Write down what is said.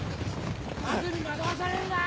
数に惑わされるな！